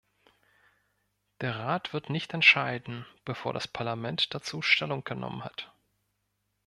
Der Rat wird nicht entscheiden, bevor das Parlament dazu Stellung genommen hat.